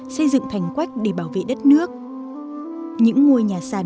xây dựng thành quách để bảo vệ đất nước những ngôi nhà sàn